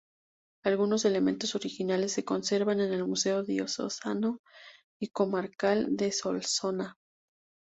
Algunos elementos originales se conservan en el Museo Diocesano y Comarcal de Solsona.